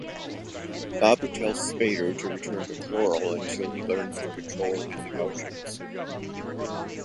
Bobby tells Spader to return to Cloral until he learns to control his emotions.